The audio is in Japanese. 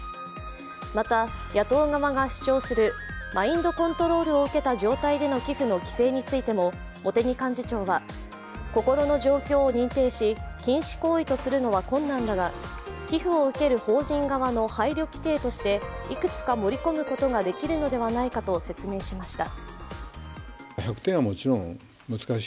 また、野党側が主張するマインドコントロールを受けた状態での寄付の規制についても、茂木幹事長は、心の状況を認定し、禁止行為とするのは困難だが寄付を受ける法人側の配慮規定としていくつか盛り込むことができるのではないかと説明しました。